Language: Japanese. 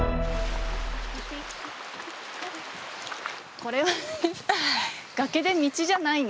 これは崖で道じゃないね。